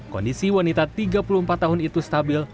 kondisi wanita tiga puluh empat tahun itu stabil